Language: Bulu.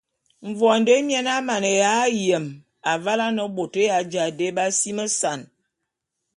Mvondo émien a maneya yem avale ane bôt ya ja dé b’asimesan.